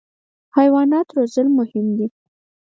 حیوانات روزل مهم دي.